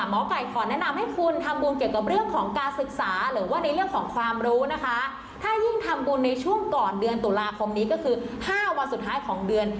หมอไก่ขอแนะนำให้คุณทำบุญเกี่ยวกับเรื่องของการศึกษาหรือว่าในเรื่องของความรู้นะคะถ้ายิ่งทำบุญในช่วงก่อนเดือนตุลาคมนี้ก็คือ๕วันสุดท้ายของเดือน